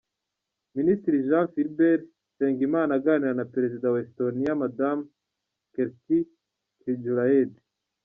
Minisitiri Jean Philbert Nsengimana aganira na Perezida wa Estonia Madamu Kersti Kaljulaid.